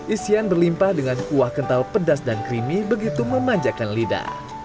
isian berlimpah dengan kuah kental pedas dan creamy begitu memanjakan lidah